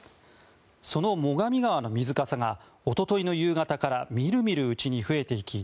その最上川の水かさがおとといの夕方から見る見るうちに増えていき